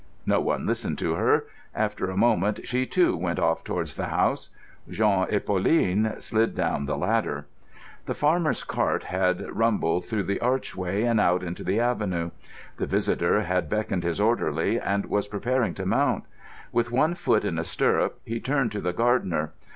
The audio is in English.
No one listened to her. After a moment she, too, went off towards the house. Jean and Pauline slid down the ladder. The farmer's cart had rumbled through the archway and out into the avenue. The visitor had beckoned his orderly, and was preparing to mount. With one foot in stirrup he turned to the gardener.